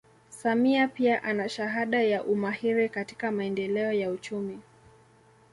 Samia pia ana shahada ya umahiri katika maendeleo ya uchumi